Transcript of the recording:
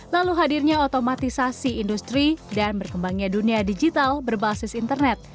lalu hadirnya otomatisasi industri dan berkembangnya dunia digital berbasis internet